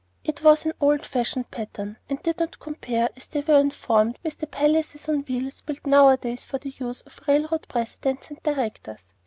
It was of an old fashioned pattern, and did not compare, as they were informed, with the palaces on wheels built nowadays for the use of railroad presidents and directors.